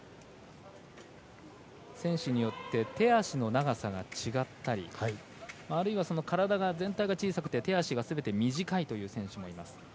選手によって手足の長さが違ったりあるいは体が全体が小さくて手足がすべて短いという選手もいます。